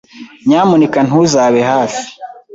Nyamuneka ntuzabe hafi.